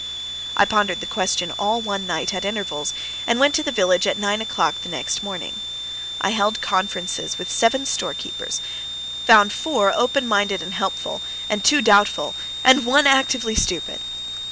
I pondered the question all one night, at intervals, and went to the village at nine o'clock the next morning. I held conferences with seven storekeepers; found four open minded and helpful, two doubtful, and one actively stupid.